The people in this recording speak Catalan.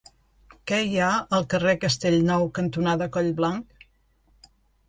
Què hi ha al carrer Castellnou cantonada Collblanc?